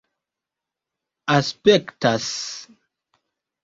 aspektas